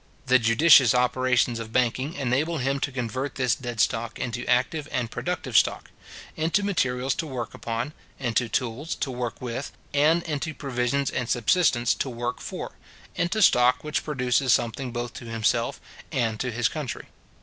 The judicious operations of banking enable him to convert this dead stock into active and productive stock; into materials to work upon; into tools to work with; and into provisions and subsistence to work for; into stock which produces something both to himself and to his country.